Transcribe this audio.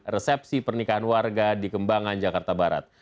resepsi pernikahan warga di kembangan jakarta barat